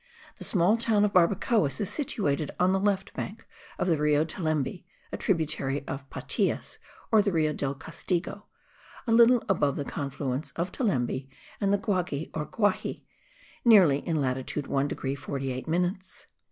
The small town of Barbacoas is situated on the left bank of the Rio Telembi (a tributary of Patias or the Rio del Castigo) a little above the confluence of Telembi and the Guagi or Guaxi, nearly in latitude 1 degree 48 minutes.